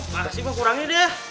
makasih bang kurangnya deh